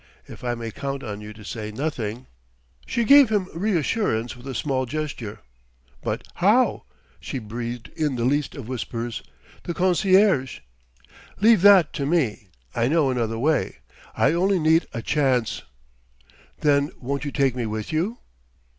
If I may count on you to say nothing " She gave him reassurance with a small gesture. "But how?" she breathed in the least of whispers. "The concierge !" "Leave that to me I know another way. I only need a chance " "Then won't you take me with you?"